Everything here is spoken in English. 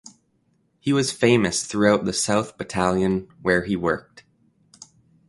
He was famous throughout the South Battalion where he worked.